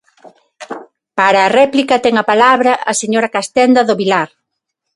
Para a réplica ten a palabra a señora Castenda do Vilar.